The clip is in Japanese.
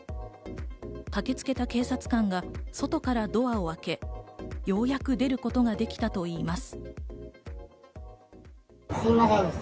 駆けつけた警察官が外からドアを開けようやく出ることができたといいます。